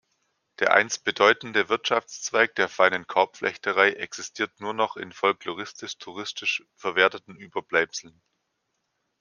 Der einst bedeutende Wirtschaftszweig der feinen Korbflechterei existiert nur noch in folkloristisch-touristisch verwerteten Überbleibseln.